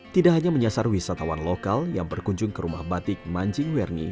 tidak hanya menyasar wisatawan lokal yang berkunjung ke rumah batik manjing werni